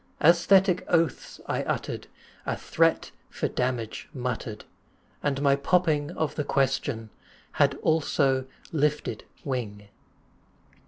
Æsthetic oaths I uttered, A threat for damage muttered, And my popping of the question, Had also lifted wing.